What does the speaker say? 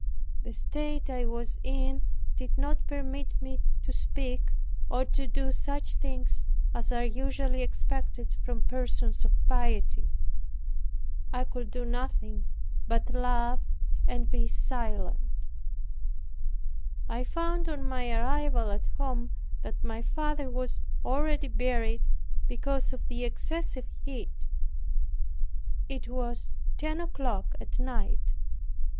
The state I was in did not permit me to speak, or to do such things as are usually expected from persons of piety. I could do nothing but love and be silent. I found on my arrival at home, that my father was already buried because of the excessive heat. It was ten o'clock at night.